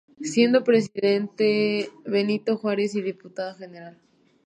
Siendo Presidente Benito Juárez y Diputado el Gral.